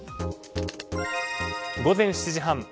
午前７時半。